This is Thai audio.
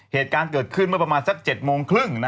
เหตุการณ์เกิดขึ้นเมื่อประมาณสัก๗โมงครึ่ง